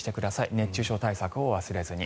熱中症対策を忘れずに。